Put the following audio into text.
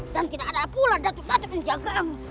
dan tidak ada pula datuk datuk yang jaga kamu